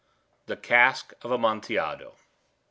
THE CASK OF AMONTILLADO.